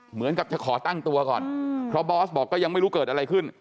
เหมือนกับจะขอตั้งตัวก่อนเพราะบอสบอกก็ยังไม่รู้เกิดอะไรขึ้น